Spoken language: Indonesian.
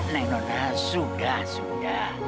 neng nona sudah sudah